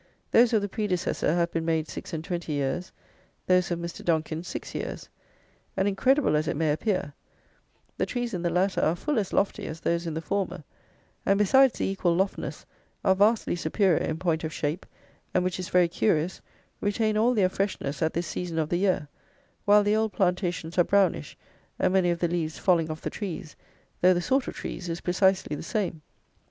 Those of the predecessor have been made six and twenty years; those of Mr. Donkin six years; and, incredible as it may appear, the trees in the latter are full as lofty as those in the former; and, besides the equal loftiness, are vastly superior in point of shape, and, which is very curious, retain all their freshness at this season of the year, while the old plantations are brownish and many of the leaves falling off the trees, though the sort of trees is precisely the same.